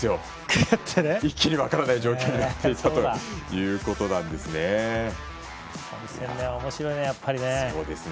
一気に分からない状況になったということなんですね。